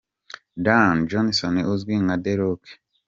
Dwayne Johnson uzwi nka The Rock.